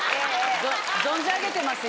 存じあげてますよ。